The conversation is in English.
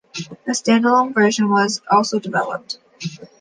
A stand-alone version was also developed.